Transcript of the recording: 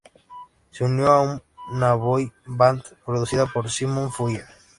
Se unió a una boy band producida por Simon Fuller.